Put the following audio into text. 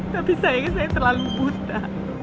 tapi sayangnya saya terlalu buta